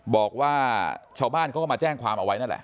บอกว่าชาวบ้านเขาก็มาแจ้งความเอาไว้นั่นแหละ